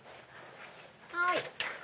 はい。